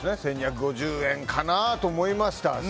１２５０円かなと思いました。